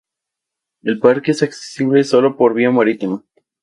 El parque es accesible sólo por vía marítima.